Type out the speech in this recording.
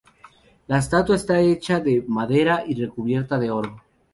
La estatua está hecha de madera y recubierta de oro.